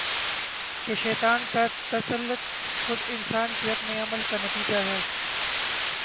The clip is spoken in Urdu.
کہ شیطان کا تسلط خود انسان کے اپنے عمل کا نتیجہ ہے